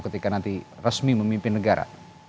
ketika nanti resmi memimpin negara